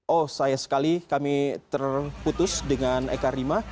oh saya sekali kami terputus dengan eka rima